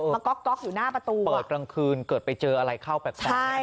มาก๊อกก๊อกอยู่หน้าประตูอ่ะเปิดกลางคืนเกิดไปเจออะไรเข้าไป